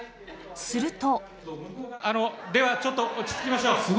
すると。